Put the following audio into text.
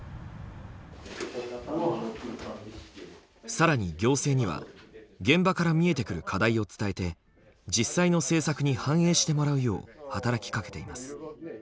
更に行政には現場から見えてくる課題を伝えて実際の政策に反映してもらうよう働きかけています。